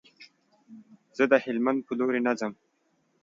زه د هلمند په لوري نه ځم.